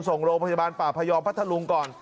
ส่งโรงพยาบาลป่าพยอมพัทธลุงก่อน